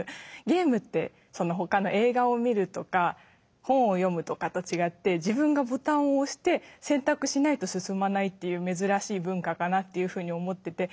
ゲームって他の映画を見るとか本を読むとかと違って自分がボタンを押して選択しないと進まないっていう珍しい文化かなっていうふうに思ってて。